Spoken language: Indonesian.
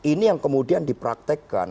ini yang kemudian dipraktekkan